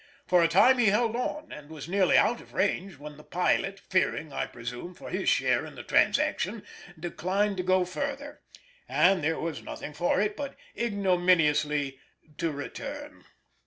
For a time he held on, and was nearly out of range when the pilot, fearing, I presume, for his share in the transaction, declined to go further, and there was nothing for it but ignominiously to return.